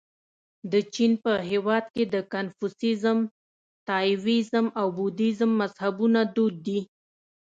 د چین په هېواد کې د کنفوسیزم، تائویزم او بودیزم مذهبونه دود دي.